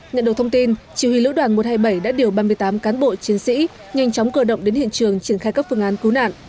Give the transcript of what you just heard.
nhận được thông tin chỉ huy lữ đoàn một trăm hai mươi bảy đã điều ba mươi tám cán bộ chiến sĩ nhanh chóng cơ động đến hiện trường triển khai các phương án cứu nạn